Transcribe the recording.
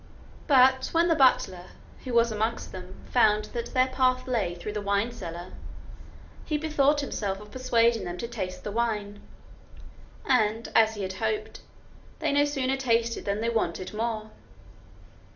But when the butler, who was amongst them, found that their path lay through the wine cellar, he bethought himself of persuading them to taste the wine, and, as he had hoped, they no sooner tasted than they wanted more.